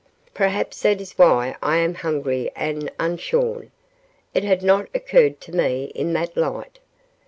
"Perhaps that is why I am hungry and unshorn. It had not occurred to me in that light.